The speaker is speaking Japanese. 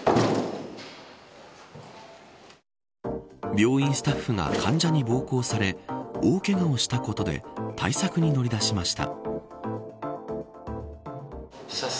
病院スタッフが患者に暴行され大けがをしたことで対策に乗り出しました。